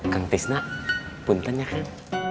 kang tisna pun tanya kan